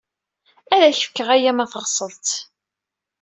Ad ak-fkeɣ aya ma teɣsed-t.